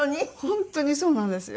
本当にそうなんですよ。